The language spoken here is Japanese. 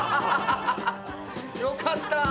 よかった。